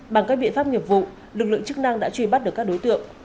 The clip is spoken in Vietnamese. bằng các biện pháp nghiệp vụ lực lượng chức năng đã truy bắt được các đối tượng